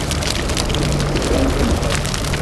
Si zik-is tban temxel.